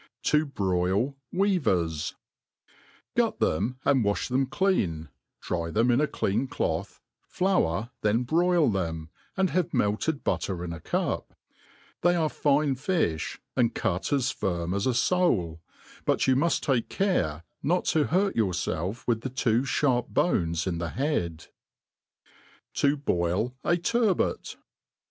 7i hrnl Weavtrs. GUT them, and wafh them clean, dry them in a clean cloth'^ flour, then broil them, and have melted butter til a cup. They tfe&ie ft(b, and cut ae firm as a foal \ but you miift rake care not to bttjtt yourfelf with the two (harp bones in the bead* Xo hoil a Turbfft.